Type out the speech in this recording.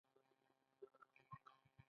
هلک د هر سختي مقابلې ته چمتو وي.